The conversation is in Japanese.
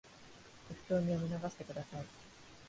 適当に読み流してください